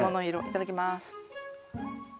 いただきます。